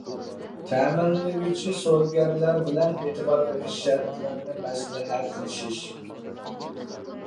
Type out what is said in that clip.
تەمىنلىگۈچى سودىگەرلەر بىلەن ئېتىبار بېرىش شەرتلىرىنى مەسلىھەتلىشىش.